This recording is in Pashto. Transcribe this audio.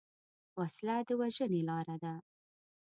وسله د وژنې لاره ده